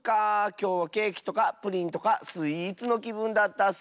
きょうはケーキとかプリンとかスイーツのきぶんだったッス。